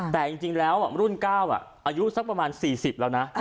แต่จริงแล้วรุ่น๙อายุสักประมาณ๔๐แล้วนะ